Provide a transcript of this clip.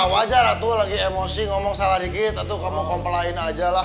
wajar tuh lagi emosi ngomong salah dikit itu kamu komplain aja lah